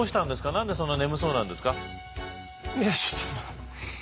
何でそんな眠そうなんですか？